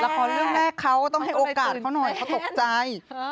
ละครเรื่องแรกเขาต้องมีโอกาสเขาหน่อยเขาตกใจ